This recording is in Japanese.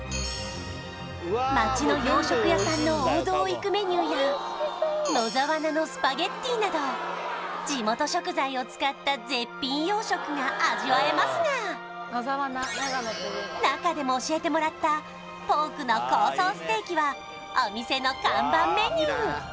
町の洋食屋さんの王道をいくメニューや野沢菜のスパゲッティなど地元食材を使った絶品洋食が味わえますが中でも教えてもらったおおうまそう！